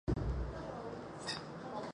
最大都市是诺维萨德。